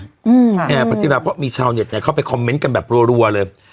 แอร์พัทธิราเพราะมีชาวเน็ตเนี่ยเข้าไปคอมเมนต์กันแบบรัวเลย